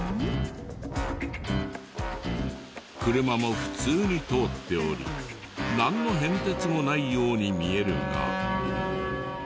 車も普通に通っておりなんの変哲もないように見えるが。